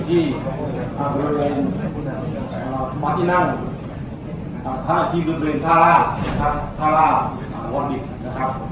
ที่เป็นโรยงวัฒนินังที่เป็นโรยงทาราทาราวัลดิกนะครับ